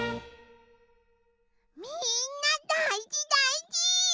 みんなだいじだいじ！